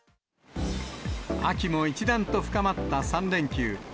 秋も一段と深まった３連休。